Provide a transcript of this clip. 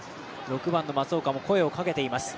６番の松岡も声をかけています。